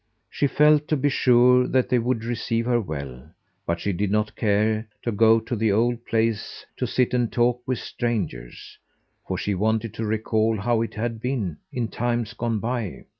She felt, to be sure, that they would receive her well, but she did not care to go to the old place to sit and talk with strangers, for she wanted to recall how it had been in times gone by.